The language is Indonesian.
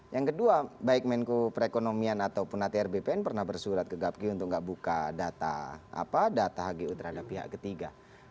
yang kedua baik menko perekonomian ataupun atr bpn pernah bersurat ke gapki untuk nggak buka data hgu terhadap pihak ketiga